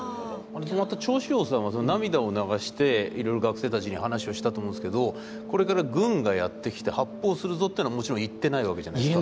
また趙紫陽さんは涙を流していろいろ学生たちに話をしたと思うんですけどこれから軍がやって来て発砲するぞっていうのはもちろん言ってないわけじゃないですか。